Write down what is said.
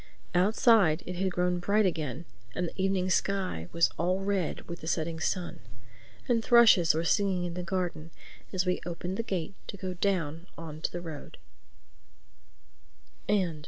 Outside it had grown bright again and the evening sky was all red with the setting sun; and thrushes were singing in the garden as we opened the gate to go down on to the road.